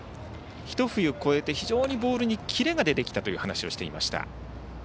一冬越えて非常にボールにキレが出てきたという話をしていました。